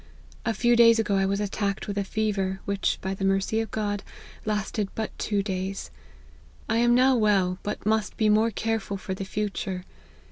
A few days ago I was attacked with a fever, which, by the mercy of God, lasted but two dayo. I am now well, but must be more careful for the future.